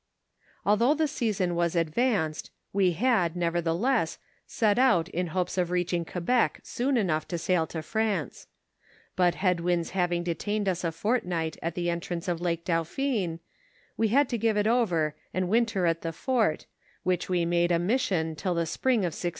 Although the season was advanced, we had, nevertheless, set out in hopes of reaching Quebec soon enough to sail to France ; but head winds having detained us a fortnight at the entrance of Lake Dauphin, we had to give it over and win ter at the fort, which we made a mission till the spring of 1688.